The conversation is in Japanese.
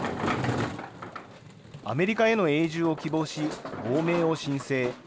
アメリカへの永住を希望し、亡命を申請。